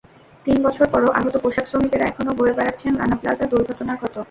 তিন বছর পরও আহত পোশাকশ্রমিকেরা এখনো বয়ে বেড়াচ্ছেন রানা প্লাজা দুর্ঘটনার ক্ষত।